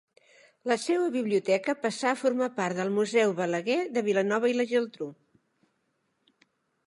La seua biblioteca passà a formar part del Museu Balaguer de Vilanova i la Geltrú.